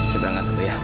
sedangkan dulu ya